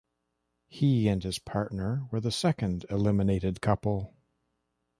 He and his partner were the second eliminated couple.